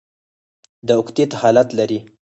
د اکتیت حالت لري.